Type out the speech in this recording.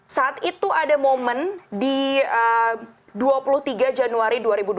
saat itu ada momen di dua puluh tiga januari dua ribu dua puluh